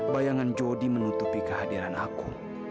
bayangan jodi menutupi kehadiran aku